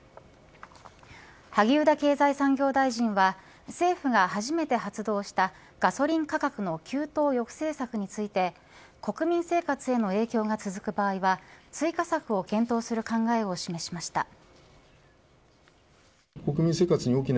萩生田経済産業大臣は政府が初めて発動したガソリン価格の急騰抑制策について国民生活への影響が続く場合は追加策を検討する考えを示しました。